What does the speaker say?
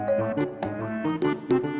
tapi dia kelainan